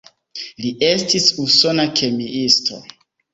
Li estis usona kemiisto.